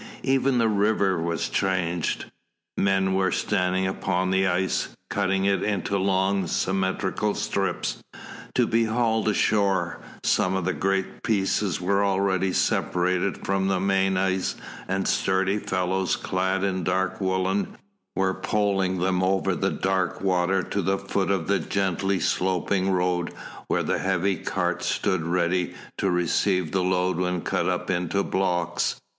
Even the river was changed. Men were standing upon the ice, cutting it into long symmetrical strips, to be hauled ashore. Some of the great pieces were already separated from the main ice, and sturdy fellows, clad in dark woollen, were poling them over the dark water to the foot of the gently sloping road where heavy carts stood ready to receive the load when cut up into blocks.